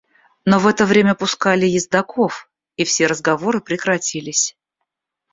Но в это время пускали ездоков, и все разговоры прекратились.